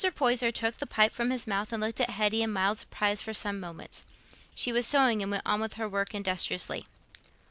Poyser took the pipe from his mouth and looked at Hetty in mild surprise for some moments. She was sewing, and went on with her work industriously.